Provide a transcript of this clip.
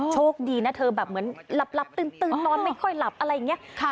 โชคดีนะเธอแบบเหมือนหลับตึงนอนไม่ค่อยหลับอะไรอย่างนี้